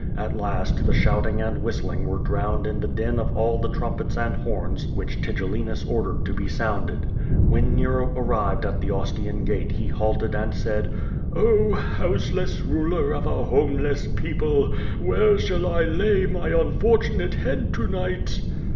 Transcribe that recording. At last the shouting and whistling were drowned in the din of the trumpets and horns which Tigellinius ordered to be sounded. When Nero arrived at the Ostian gate he halted and said: "Oh, houseless ruler of a homeless people, where shall I lay my unfortunate head to night?"